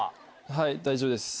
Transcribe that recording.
はい大丈夫です。